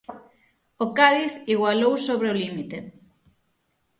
O Cádiz igualou sobre o límite.